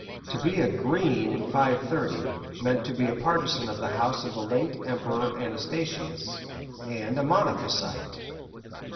To be a "Green" in 530 meant to be a partisan of the house of the late Emperor Anastasius, and a Monophysite.